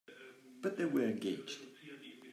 But they were engaged.